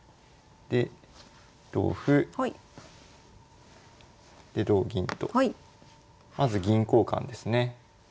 で同歩で同銀とまず銀交換ですね。